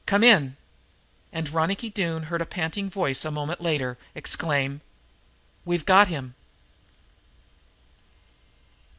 "Come in!" And Ronicky Doone heard a panting voice a moment later exclaim: "We've got him!"